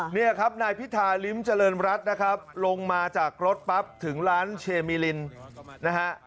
นี่ครับนายพิธาริมเจริญรัฐนะครับลงมาจากรถปั๊บถึงร้านเชมิลินนะฮะ